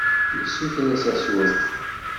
Yessuter-as asuref.